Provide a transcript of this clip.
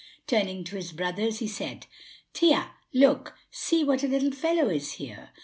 Turning to his brothers, he said: "Tia! look! see what a little fellow is here."